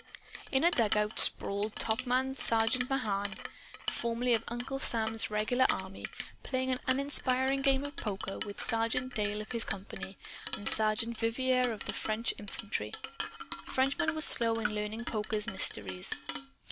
In a dugout sprawled Top Sergeant Mahan, formerly of Uncle Sam's regular army, playing an uninspiring game of poker with Sergeant Dale of his company and Sergeant Vivier of the French infantry. The Frenchman was slow in learning poker's mysteries.